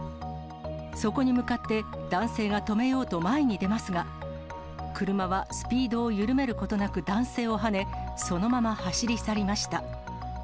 そこに向かって、男性が止めようと前に出ますが、車はスピードを緩めることなく男性をはね、そのまま走り去りました。